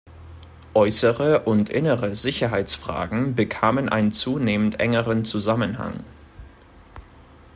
Äußere und innere Sicherheitsfragen bekamen einen zunehmend engeren Zusammenhang.